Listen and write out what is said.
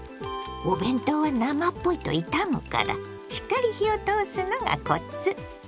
お弁当は生っぽいといたむからしっかり火を通すのがコツ。